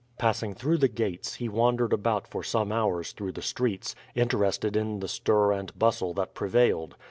Passing through the gates, he wandered about for some hours through the streets, interested in the stir and bustle that prevailed.